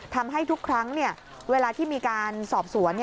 ทำให้ทุกครั้งเวลาที่มีการสอบสวน